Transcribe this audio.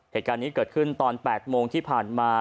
เหตุการณ์นี้เกิดขึ้นตอน๘โมงที่ผ่านมา